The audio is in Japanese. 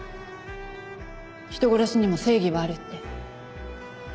人殺しにも正義はあるって。